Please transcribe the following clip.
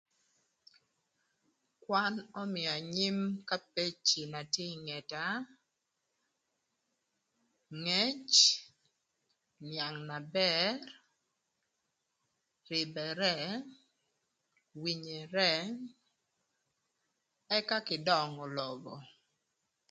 Kwan ömïö anyim ka peci na tye ï ngeta ngec, nïang na bër, rïbërë, winyere, ëka kï döngö lobo.